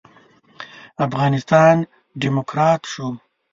افغانستان ډيموکرات شو.